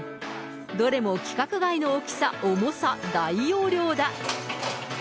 どれも規格外の大きさ、重さ、大容量だ。